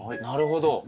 なるほど。